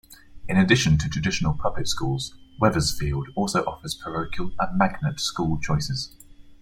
In addition to traditional public schools, Wethersfield also offers parochial and magnet school choices.